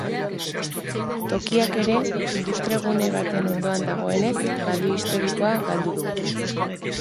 Tokiak ere, industriagune baten ondoan dagoenez, balio historikoa galdu du.